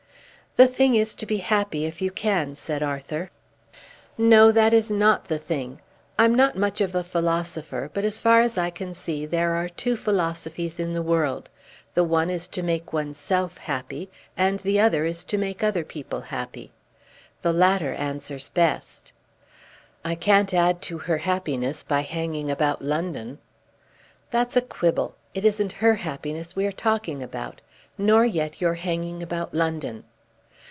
"The thing is to be happy if you can," said Arthur. "No; that is not the thing. I'm not much of a philosopher, but as far as I can see there are two philosophies in the world. The one is to make one's self happy, and the other is to make other people happy. The latter answers the best." "I can't add to her happiness by hanging about London." "That's a quibble. It isn't her happiness we are talking about, nor yet your hanging about London.